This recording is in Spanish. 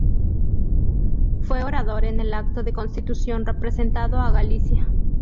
Fue orador en el acto de constitución representado a Galicia.